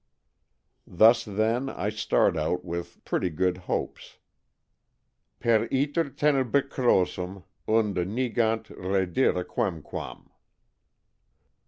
Thus, then, I start out with pretty good hopes — per iter tenebricosum unde negant redire quemquam.